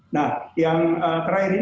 nah yang terakhir ini